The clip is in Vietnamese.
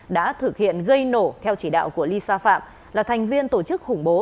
đã thực hiện gây nổ theo chỉ đạo của lisa phạm là thành viên tổ chức khủng bố